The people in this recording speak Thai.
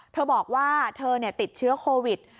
เธอบอกว่าเธอติดเชื้อโควิด